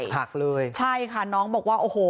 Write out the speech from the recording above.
หักเลยใช่ค่ะน้องบอกว่าโอ้โห